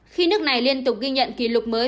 khi nước này liên tục ghi nhận kỷ lục mới